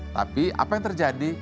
tapi apa yang terjadi